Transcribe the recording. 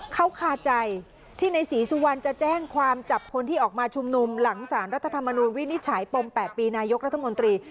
เขาคาใจที่ในศรีสุวรรณจะแจ้งความจับคนที่ออกมาชุมนุมหลังสารรัฐธรรมนูลวินิจฉัยปม๘ปีนายกรัฐมนตรี